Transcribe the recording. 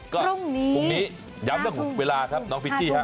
ก็พรุ่งนี้ย้ำกับเวลาครับน้องพิชชี่ครับ